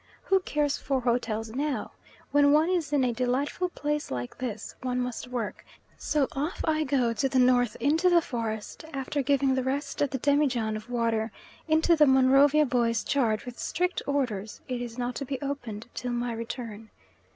Who cares for hotels now? When one is in a delightful place like this, one must work, so off I go to the north into the forest, after giving the rest of the demijohn of water into the Monrovia boy's charge with strict orders it is not to be opened till my return.